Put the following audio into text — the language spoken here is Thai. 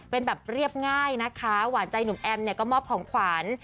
เป็นแบบเรียบง่ายนะคะหวานใจหนุ่มแอมเนี่ยก็มอบของขวัญ